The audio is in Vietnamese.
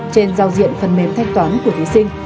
trên giao diện phần mềm thanh toán của thí sinh